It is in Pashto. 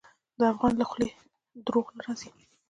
د افغان له خولې دروغ نه راځي.